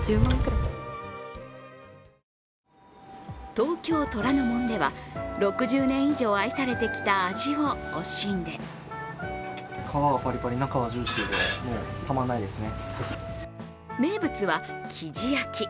東京・虎の門では６０年以上愛されてきた味を惜しんで名物は、きじ焼き。